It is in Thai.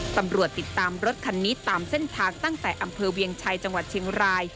ตำรวจติดตามรถคันนี้ตามเส้นทางตั้งแต่อำเภอเวียงชัยจังหวัดเชียงราย